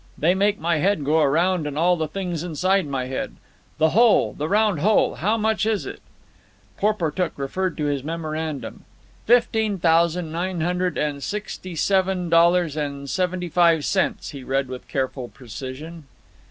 "They make my head go around and all the things inside my head. The whole! The round whole! How much is it?" Porportuk referred to his memorandum. "Fifteen thousand nine hundred and sixty seven dollars and seventy five cents," he read with careful precision.